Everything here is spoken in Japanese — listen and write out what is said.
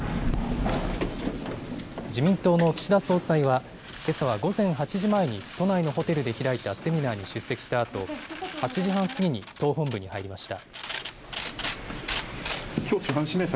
自民党の岸田総裁は、けさは午前８時前に都内のホテルで開いたセミナーに出席したあと、８時半過ぎに党本部に入りました。